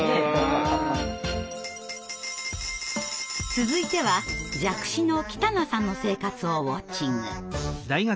続いては弱視の北名さんの生活をウォッチング。